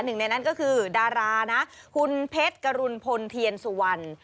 หนึ่งในนั้นก็คือดารานะคุณเพชรกรุณพลเทียนสุวรรณ